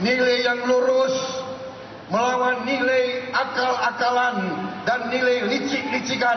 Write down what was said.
nilai yang lurus melawan nilai akal akalan dan nilai licik licikan